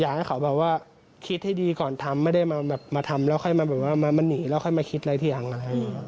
อยากให้เขาบอกว่าคิดให้ดีก่อนทำไม่ได้มาทำแล้วค่อยมาหนีแล้วค่อยมาคิดอะไรที่อย่างนั้น